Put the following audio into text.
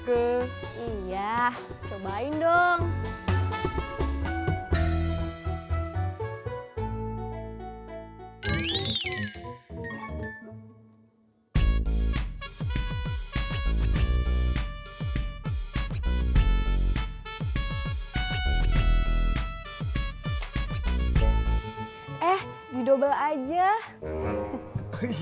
e's gone adau ikut